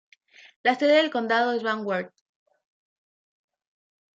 La sede del condado es Van Wert.